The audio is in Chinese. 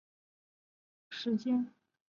播映时间为。